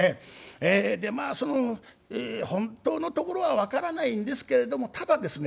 えでまあその本当のところは分からないんですけれどもただですね